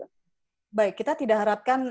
baik kita tidak harapkan